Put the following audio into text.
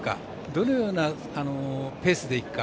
どのようなペースでいくか。